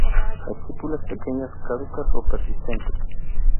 Estípulas pequeñas, caducas o persistentes.